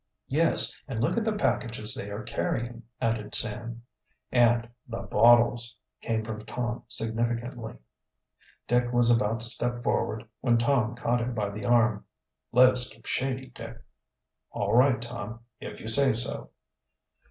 "Yes, and look at the packages they are carrying," added Sam. "And the bottles," came from Tom significantly. Dick was about to step forward when Tom caught him by the arm. "Let us keep shady, Dick." "All right, Tom, if you say so."